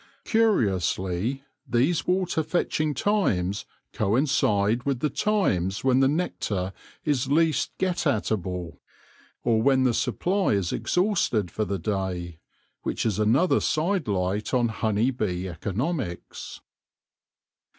Curiously, these water fetching times coincide with the times when the nectar is least get at able, or when the supply is exhausted for the day ; which is another sidelight on honey bee economics.